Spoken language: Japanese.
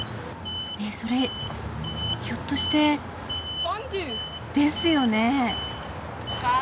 それひょっとして。ですよね！